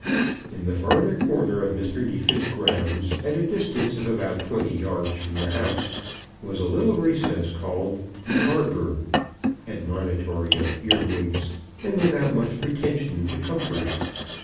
In the farther corner of Mr. Neefit's grounds, at a distance of about twenty yards from the house, was a little recess called "the arbour," admonitory of earwigs, and without much pretension to comfort.